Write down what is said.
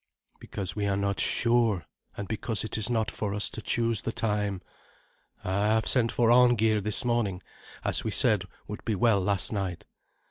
"Because we are not sure, and because it is not for us to choose the time. I have sent for Arngeir this morning, as we said would be well last night.